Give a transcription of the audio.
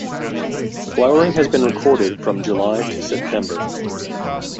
Flowering has been recorded from July to September.